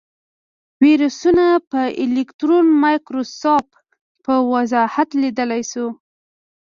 ویروسونه په الکترون مایکروسکوپ په وضاحت لیدلی شو.